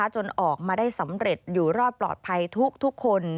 จนออกมาได้สำเร็จอยู่รอดปลอดภัยทุกคน